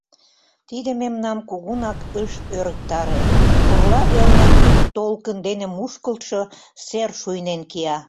Тиде мемнам кугунак ыш ӧрыктаре — пурла велне вӱд толкын дене мушкылтшо сер шуйнен кия.